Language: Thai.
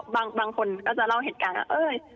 บางคนก็จะเล่าเหตุการณ์